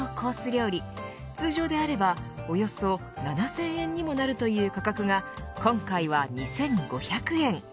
料理通常であればおよそ７０００円にもなるという価格が今回は２５００円。